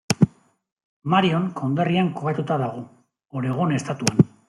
Marion konderrian kokatuta dago, Oregon estatuan.